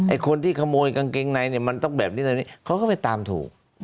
คนที่ขโมยกางเกงในเนี่ยมันต้องแบบนี้เขาก็ไปตามถูก